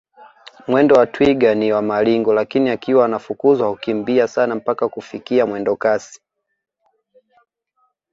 Mwendo wa twiga ni wa maringo lakini akiwa anafukuzwa hukimbia sana mpaka kufikia mwendokasi